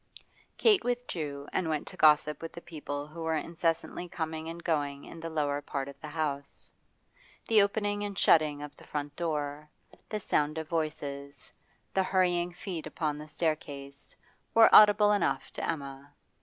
Kate withdrew and went to gossip with the people who were incessantly coming and going in the lower part of the house. The opening and shutting of the front door, the sound of voices, the hurrying feet upon the staircase, were audible enough to Emma.